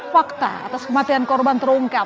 fakta atas kematian korban terungkap